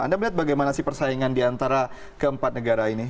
anda melihat bagaimana persaingan diantara keempat negara ini